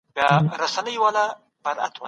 ابن خلدون ټولنه څېړي.